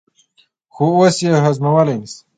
خو اوس یې هضمولای نه شي.